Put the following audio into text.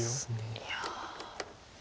いや。